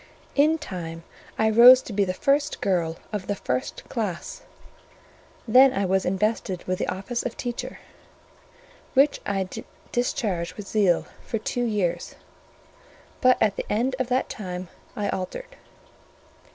In time I rose to be the first girl of the first class; then I was invested with the office of teacher; which I discharged with zeal for two years: but at the end of that time I altered.